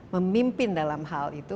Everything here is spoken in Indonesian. memimpin dalam hal itu